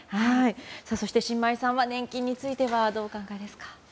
そして申真衣さんは年金についてはどうお考えですか？